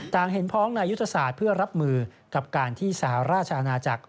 เห็นพ้องในยุทธศาสตร์เพื่อรับมือกับการที่สหราชอาณาจักร